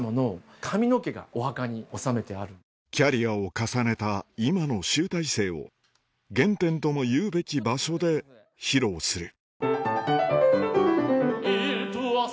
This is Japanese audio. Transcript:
キャリアを重ねた今の集大成を原点ともいうべき場所で披露する